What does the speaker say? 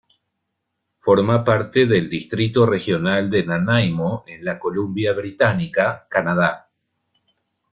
Forma parte del Distrito Regional de Nanaimo, en la Columbia Británica, Canadá.